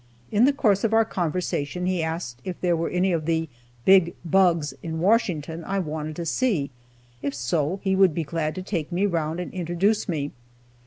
In the course of our conversation he asked if there were any of the "big bugs" in Washington I wanted to see, if so, he would be glad to take me around and introduce me.